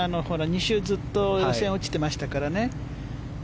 ２週ずっと予選落ちてましたからね。